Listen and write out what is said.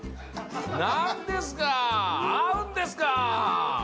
何ですか合うんですか！